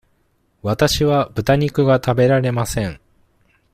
わたしはぶた肉が食べられません。